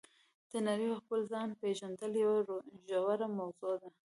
د نړۍ او خپل ځان پېژندل یوه ژوره موضوع ده.